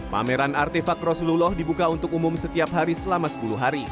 pameran artefak rasulullah dibuka untuk umum setiap hari selama sepuluh hari